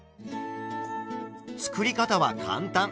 作り方は簡単！